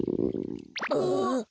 ああ。